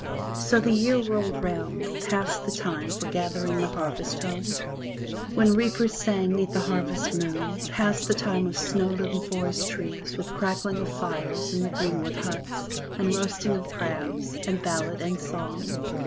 So the year rolled round; passed the time for gathering the harvest home, when reapers sang 'neath the harvest moon, passed the time of snow laden forest trees with crackling of fires in the greenwood huts, and roasting of crabs, and ballad and song.